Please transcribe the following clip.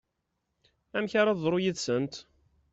Amek ara teḍru yid-sent?